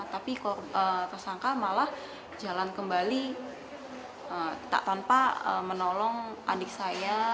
tapi tersangka malah jalan kembali tanpa menolong adik saya